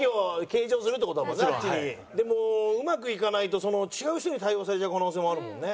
でもうまくいかないと違う人に対応されちゃう可能性もあるもんね。